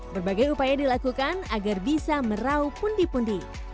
berbagai upaya dilakukan agar bisa merauh pundi pundi